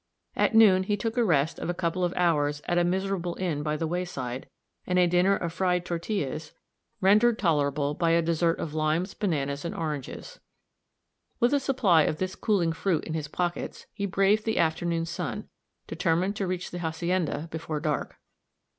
At noon he took a rest of a couple of hours at a miserable inn by the wayside, and a dinner of fried tortillas, rendered tolerable by a dessert of limes, bananas and oranges. With a supply of this cooling fruit in his pockets, he braved the afternoon sun, determined to reach the hacienda before dark.